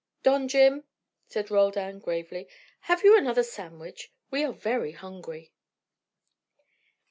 "Don Jim," said Roldan, gravely, "have you another sandwich? We are very hungry."